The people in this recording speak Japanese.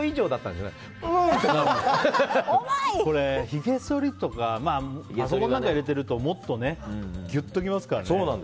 ひげそりとかパソコンなんか入れてるともっとギュッときますからね。